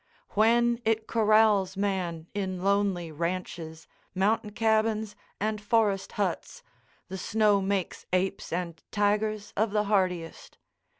When it corrals man in lonely ranches, mountain cabins, and forest huts, the snow makes apes and tigers of the hardiest.